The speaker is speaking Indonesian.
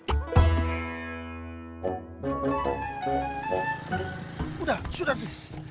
sudah sudah tis